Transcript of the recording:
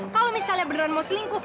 kalau misalnya berdan mau selingkuh